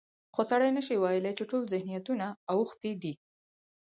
خو سړی نشي ویلی چې ټول ذهنیتونه اوښتي دي.